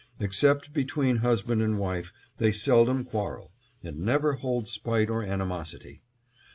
Except between husband and wife, they seldom quarrel; and never hold spite or animosity.